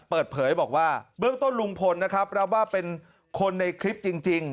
เปิดเผยบอกว่าเบื้องต้นลุงพลนะครับรับว่าเป็นคนในคลิปจริง